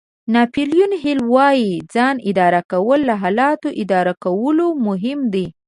ناپیلیون هېل وایي ځان اداره کول له حالاتو اداره کولو مهم دي.